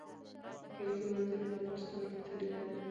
د کلیزو منظره د افغانستان د اقتصادي ودې لپاره ارزښت لري.